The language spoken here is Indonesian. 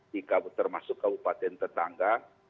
di termasuk kabupaten tetangga